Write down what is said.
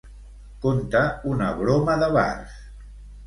Conta una broma de bars.